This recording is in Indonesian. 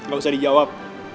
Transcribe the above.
gak usah dijawab